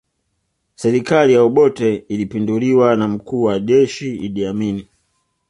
Serikali ya Obote ilipinduliwa na mkuu wa jeshi Idi Amini